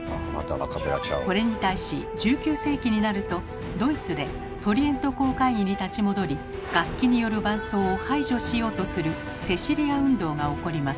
これに対し１９世紀になるとドイツでトリエント公会議に立ち戻り楽器による伴奏を排除しようとする「セシリア運動」が起こります。